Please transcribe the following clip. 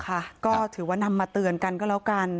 ก็ถือว่านำมาเตือนกันก็แล้วกัน